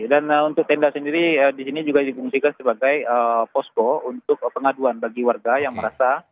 dan untuk tenda sendiri di sini juga dipungsikan sebagai posko untuk pengaduan bagi warga yang merasa